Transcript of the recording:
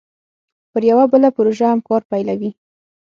پر یوه بله پروژه هم کار پیلوي